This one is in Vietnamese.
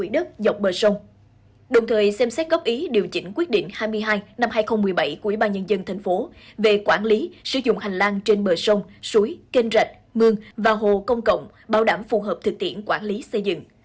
đồng thời xem xét góp ý điều chỉnh quyết định hai mươi hai năm hai nghìn một mươi bảy của ủy ban nhân dân tp về quản lý sử dụng hành lang trên bờ sông suối kênh rạch mương và hồ công cộng bảo đảm phù hợp thực tiễn quản lý xây dựng